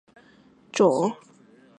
芫花为瑞香科瑞香属下的一个种。